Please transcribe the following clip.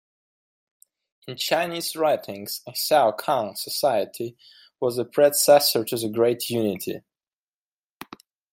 In Chinese writings, a "xiaokang" society was the predecessor to the Great Unity.